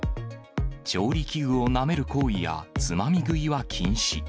調理器具をなめる行為やつまみ食いは禁止。